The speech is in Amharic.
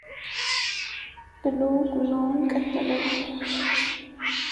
ብሎ ጉዞውን ቀጠለ ይባላል፡፡